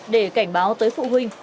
để cảnh báo tới phụ huynh